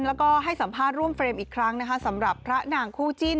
แล้วก็ให้สัมภาษณ์ร่วมเฟรมอีกครั้งนะคะสำหรับพระนางคู่จิ้น